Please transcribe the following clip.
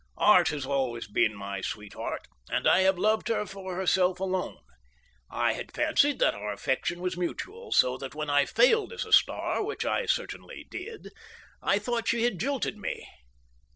Art has always been my sweetheart, and I have loved her for herself alone. I had fancied that our affection was mutual, so that when I failed as a star, which I certainly did, I thought she had jilted me.